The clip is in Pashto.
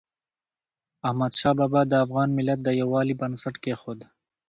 احمدشاه بابا د افغان ملت د یووالي بنسټ کېښود.